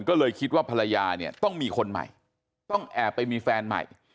ก็เลยคิดว่าภรรยาเนี่ยต้องมีคนใหม่ต้องแอบไปมีแฟนใหม่